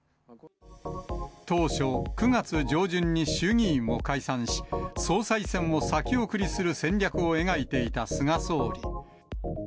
当初、９月上旬に衆議院を解散し、総裁選を先送りする戦略を描いていた菅総理。